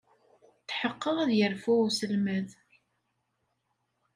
Tḥeqqeɣ ad yerfu uselmad!